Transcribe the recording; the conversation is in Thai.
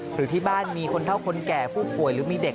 หรือที่บ้านมีคนเท่าคนแก่ผู้ป่วยหรือมีเด็ก